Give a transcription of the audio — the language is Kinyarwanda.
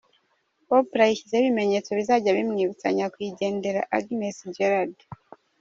Oprah yishyizeho ibimenyetso bizajya bimwibutsa nyakwigendera Agnes Garald.